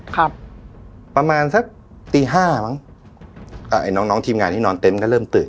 ครับประมาณสักตีห้ามั้งอ่าไอ้น้องน้องทีมงานที่นอนเต็มก็เริ่มตื่น